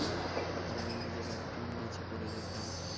আর আমি নিজে গাড়িটির নিচে পরে যেতাম।